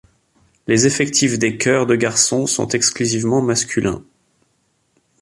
Les effectifs des chœurs de garçons sont exclusivement masculins.